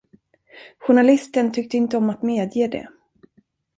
Journalisten tyckte inte om att medge det.